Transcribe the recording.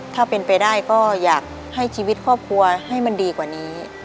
ถ้าเป็นไปได้ก็อยากให้ชีวิตครอบครัวให้มันดีกว่านี้